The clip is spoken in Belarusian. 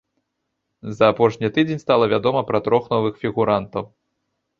За апошні тыдзень стала вядома пра трох новых фігурантаў.